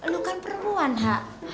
lu kan peruan hak